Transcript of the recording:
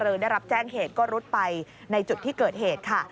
ได้รับแจ้งเหตุก็รุดไปในจุดที่เกิดเหตุค่ะ